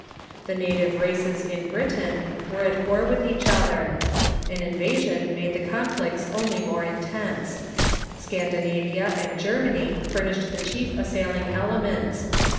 The native races in Britain were at war with each other. An invasion made the conflicts only more intense. Scandinavia and Germany furnished the chief assail ing elements.